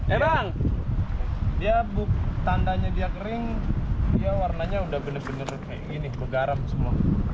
erang tandanya dia kering warnanya udah bener bener ini bergaram semua